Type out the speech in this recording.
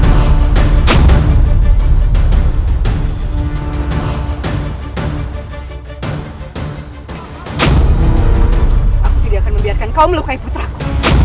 aku tidak akan membiarkan kau melukai putraku